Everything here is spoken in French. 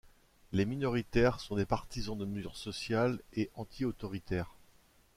Les minoritaires sont des partisans de mesures sociales et antiautoritaires.